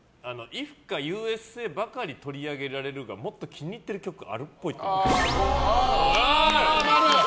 「ｉｆ．．．」か「Ｕ．Ｓ．Ａ．」ばかり取り上げられるがもっと気に入ってる曲ああ、○。